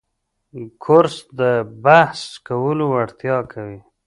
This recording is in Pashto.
کورس د بحث کولو وړتیا ورکوي.